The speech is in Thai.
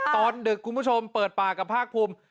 ดึกคุณผู้ชมเปิดปากกับภาคภูมิ